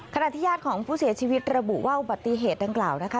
ขณะที่ญาติของผู้เสียชีวิตระบุว่าอุบัติเหตุดังกล่าวนะคะ